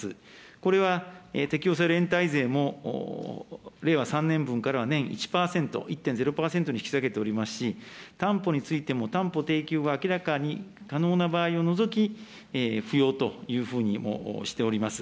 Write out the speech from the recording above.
これは、適用する連帯税も令和３年分からは年１パーセント、１．０％に引き下げておりますし、担保についても担保提供後、明らかに可能な場合にかぎり、不要というふうにもしております。